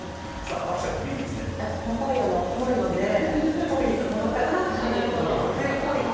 パパイヤは、っぽいのでっぽいものかなと思って。